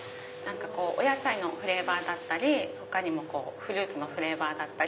お野菜のフレーバーだったりフルーツのフレーバーだったり。